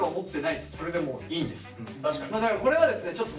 だからこれはですねちょっと昨年はですね